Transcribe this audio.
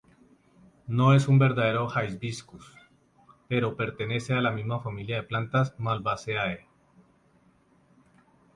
No es un verdadero "Hibiscus", pero pertenece a la misma familia de plantas, Malvaceae.